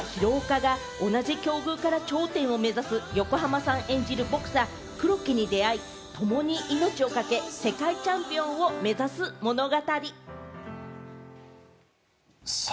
演じる元ボクサー・広岡が、同じ境遇から頂点を目指す横浜さん演じるボクサー・黒木に出会い、共に命を懸け世界チャンピオンを目指す物語。